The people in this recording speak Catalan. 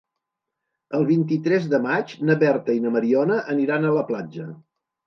El vint-i-tres de maig na Berta i na Mariona aniran a la platja.